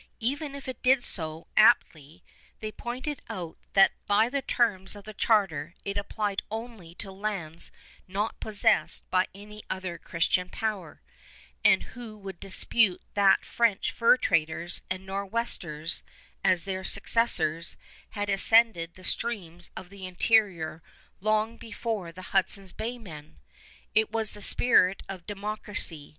Even if it did so apply, they pointed out that by the terms of the charter it applied only to lands not possessed by any other Christian power; and who would dispute that French fur traders and Nor'westers, as their successors, had ascended the streams of the interior long before the Hudson's Bay men? It was the spirit of democracy.